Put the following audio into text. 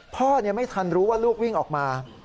พ่อไม่ทันรู้ว่าลูกวิ่งออกมา